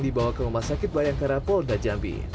dibawa ke rumah sakit bayangkara polda jambi